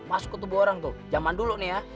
masuk ke tubuh orang tuh zaman dulu nih ya